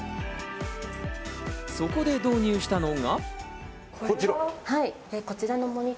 そこで導入したのが。